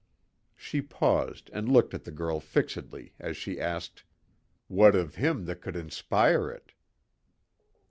She paused and looked at the girl fixedly as she asked: "What of him that could inspire it?"